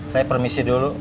saya permisi dulu